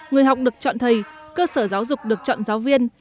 người học được chọn thầy cơ sở giáo dục được chọn giáo viên